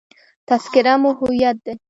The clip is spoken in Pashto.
تذکره مو هویت دی.